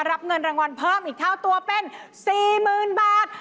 รับเงินรางวัลเพิ่มอีกเท่าตัวเป็น๔๐๐๐บาท